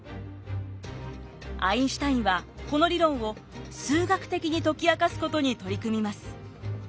アインシュタインはこの理論を数学的に解き明かすことに取り組みます。